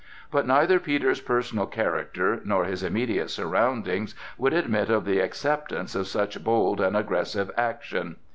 But neither Peter's personal character, nor his immediate surroundings would admit of the acceptance of such bold and aggressive action.